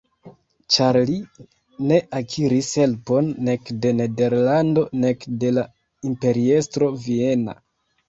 Ĉar li ne akiris helpon nek de Nederlando nek de la imperiestro viena.